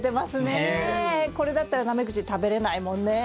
これだったらナメクジ食べれないもんね。